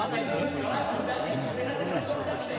ドラえもんジャイアンにいじめられたから布団出して。